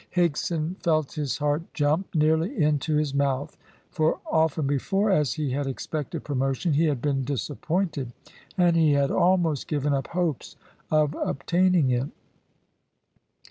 Higson felt his heart jump nearly into his mouth; for often before as he had expected promotion he had been disappointed, and he had almost given up hopes of obtaining it.